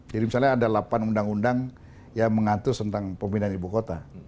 jadi misalnya ada delapan undang undang yang mengatur tentang pembinaan ibu kota